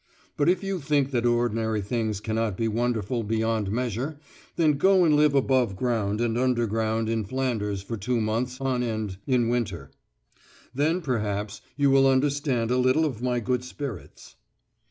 But if you think that ordinary things cannot be wonderful beyond measure, then go and live above ground and underground in Flanders for two months on end in winter; then, perhaps, you will understand a little of my good spirits.